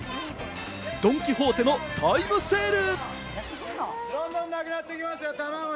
ドン・キホーテのタイムセール！